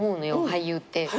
俳優って。